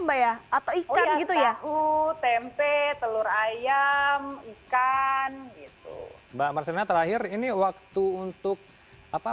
mbak ya atau ikan gitu ya tempe telur ayam ikan gitu mbak marcelina terakhir ini waktu untuk apa